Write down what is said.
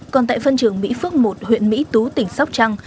còn tại phân trường mỹ phước một huyện mỹ tú tỉnh sóc trăng